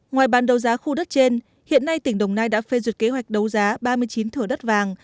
ngoài bàn đấu giá khu đất trên hiện nay tỉnh đồng nai đã phê duyệt kế hoạch đấu giá ba mươi chín thửa đất vàng